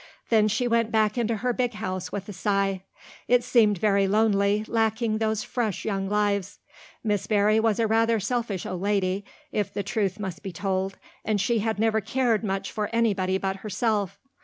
Then she went back into her big house with a sigh. It seemed very lonely, lacking those fresh young lives. Miss Barry was a rather selfish old lady, if the truth must be told, and had never cared much for anybody but herself.